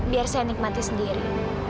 biar saya nikmati sendiri